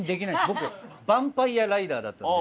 僕バンパイアライダーだったので。